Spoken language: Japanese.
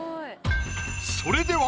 それでは。